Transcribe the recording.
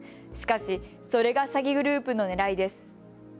しかし、それが詐欺グループのねらいです。